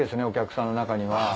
お客さんの中には。